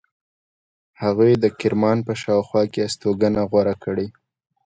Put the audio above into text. هغوی د کرمان په شاوخوا کې استوګنه غوره کړې.